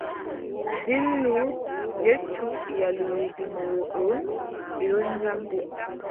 Dillu, yeccu iyaluuji mooɗon, min ɗon jam.